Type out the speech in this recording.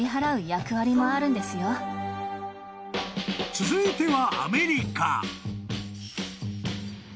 ［続いては］